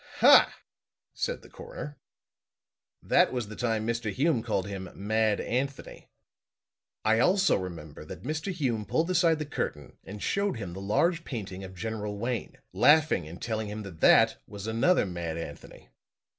"Hah!" said the coroner. "That was the time Mr. Hume called him 'Mad Anthony.' I also remember that Mr. Hume pulled aside the curtain and showed him the large painting of General Wayne, laughing and telling him that that was another Mad Anthony.